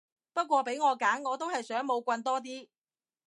不過俾我揀我都係想冇棍多啲